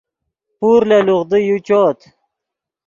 پور لے لوغدو یو چؤت